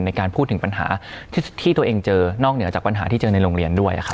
ในการพูดถึงปัญหาที่ตัวเองเจอนอกเหนือจากปัญหาที่เจอในโรงเรียนด้วย